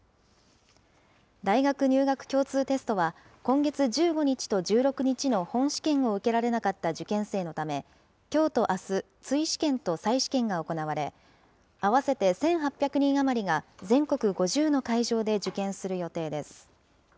大学入学共通テストは、今月１５日と１６日の本試験を受けられなかった受験生のため、きょうとあす、追試験と再試験が行われ、合わせて１８００人余りが全国５０の会場で受験する予定です。